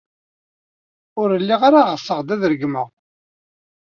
Ur lliɣ ara ɣseɣ ad k-regmeɣ.